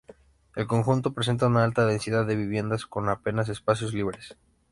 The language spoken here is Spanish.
El conjunto presenta una alta densidad de viviendas, con apenas espacios libres.